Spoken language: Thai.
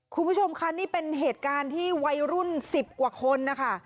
คุณผู้ชมค่ะนี่เป็นเหตุการณ์ที่วัยรุ่น๑๐กว่าคนนะคะ